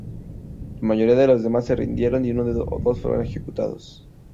La mayoría de los demás se rindieron y uno o dos fueron ejecutados.